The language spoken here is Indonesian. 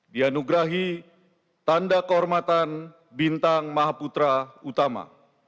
dianugerahi tanda kehormatan bintang mahaputra utama